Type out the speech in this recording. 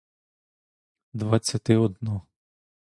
Двадцятиодно